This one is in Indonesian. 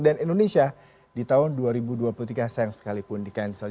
dan indonesia di tahun dua ribu dua puluh tiga sayang sekalipun di cancel